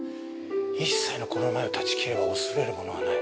一切の心の迷いを断ち切れば恐れるものはない。